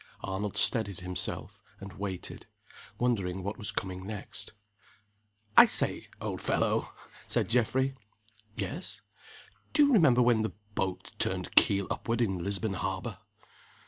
Arnold steadied himself, and waited wondering what was coming next. "I say, old fellow!" said Geoffrey. "Yes." "Do you remember when the boat turned keel upward in Lisbon Harbor?"